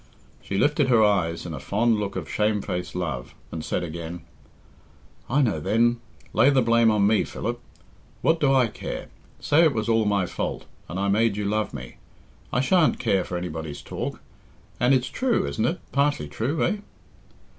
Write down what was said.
She lifted her eyes in a fond look of shame faced love, and said again, "I know, then lay the blame on me, Philip. What do I care? Say it was all my fault, and I made you love me. I shan't care for anybody's talk. And it's true, isn't it? Partly true, eh?"